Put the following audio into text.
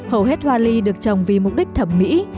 hầu hết hoa ly được trồng vì mục đích thẩm mỹ